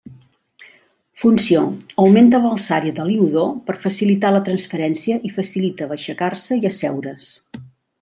Funció: augmenta l'alçària de l'inodor per facilitar la transferència i facilita aixecar-se i asseure's.